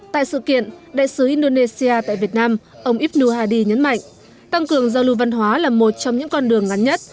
tại sự kiện đại sứ indonesia tại việt nam ông ibnu hadi nhấn mạnh tăng cường giao lưu văn hóa là một trong những con đường ngắn nhất